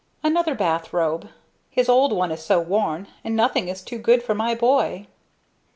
"Another bath robe; his old one is so worn. And nothing is too good for my boy."